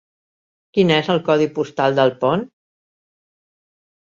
Quin és el codi postal d'Alpont?